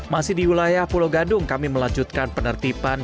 masih di wilayah pulau gadung kami melanjutkan penertiban